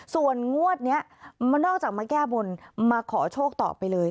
ส่วนงวดนี้นอกจากมาแก้บนมาขอโชคต่อไปเลย